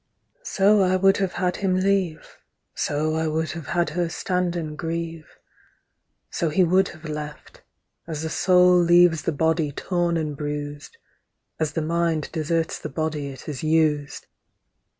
So I would have had him leave, So I would have had her stand and grieve, So he would have left As the soul leaves the body torn and bruised, As the mind deserts the body it has used.